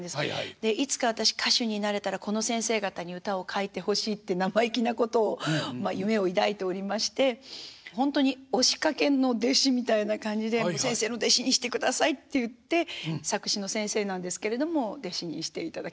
でいつか私歌手になれたらこの先生方に歌を書いてほしいって生意気なことをまあ夢を抱いておりましてほんとに押しかけの弟子みたいな感じで「先生の弟子にしてください」って言って作詞の先生なんですけれども弟子にしていただきました。